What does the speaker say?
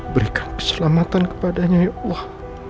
berikan keselamatan kepadanya ya allah